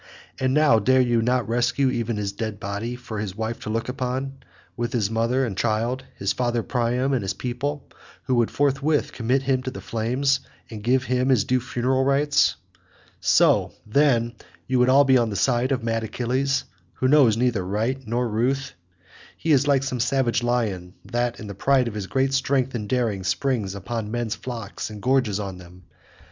And now dare you not rescue even his dead body, for his wife to look upon, with his mother and child, his father Priam, and his people, who would forthwith commit him to the flames, and give him his due funeral rites? So, then, you would all be on the side of mad Achilles, who knows neither right nor ruth? He is like some savage lion that in the pride of his great strength and daring springs upon men's flocks and gorges on them.